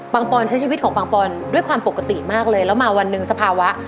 ปอนใช้ชีวิตของปังปอนด้วยความปกติมากเลยแล้วมาวันหนึ่งสภาวะ